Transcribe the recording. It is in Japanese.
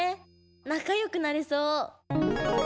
なかよくなれそう。